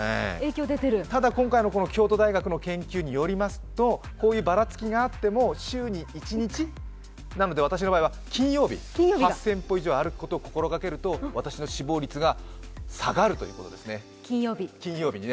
ただ今回の京都大学の研究によるとこういうバラツキがあっても週に一日、なので私の場合は金曜日、８０００歩以上歩くことを心がけると私の死亡率が下がるということですね。